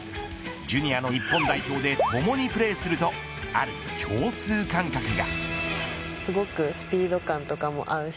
ジュニアの日本代表でともにプレーするとある共通感覚が。